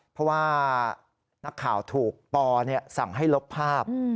เพราะว่านักข่าวถูกปอสั่งให้ลบภาพ